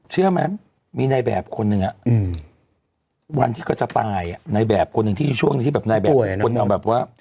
เชื่อมั้ยมีนายแบบคนหนึ่งอะวันที่เขาจะตายอะนายแบบคนหนึ่งที่ช่วงนี้นายแบบคนหนึ่งแบบว่า